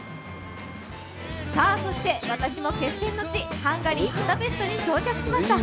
さあそして私も決戦の地、ハンガリーブダペストに到着しました。